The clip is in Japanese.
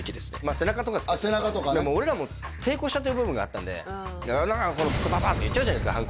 背中とかですけど俺らも抵抗しちゃってる部分があったんでとか言っちゃうじゃないですか